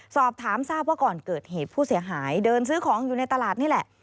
สอบถามทราบว่าก่อนเกิดเหตุผู้เสียหายเดินซื้อของอยู่ในตลาดนี่แหละ